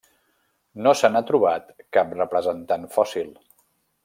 No se n'ha trobat cap representant fòssil.